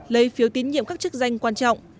lấy phiếu tín nhiệm các chức danh quan trọng